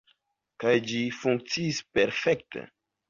Kaj ĝi funkciis perfekte.